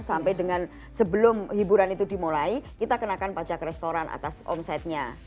sampai dengan sebelum hiburan itu dimulai kita kenakan pajak restoran atas omsetnya